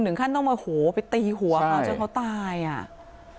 หนึ่งขั้นต้องเอาโหไปตีหัวเขาเจ้าเต้าตายอะอ่ะใช่